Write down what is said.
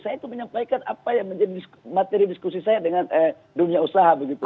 saya itu menyampaikan apa yang menjadi materi diskusi saya dengan dunia usaha begitu